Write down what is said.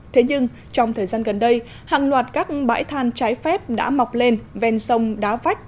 thế nhưng trong thời gian gần đây hàng loạt các bãi than trái phép đã mọc lên ven sông đá vách